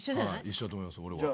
一緒だと思います。